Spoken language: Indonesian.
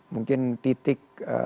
mungkin titik ee